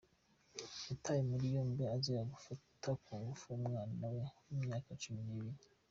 Yatawe muri yombi azira gufata ku ngufu umwana we w’imyaka cumi nibiri